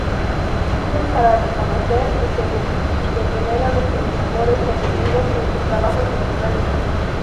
Sirven para reconocer, interrumpir y detener a los minadores enemigos en sus trabajos subterráneos.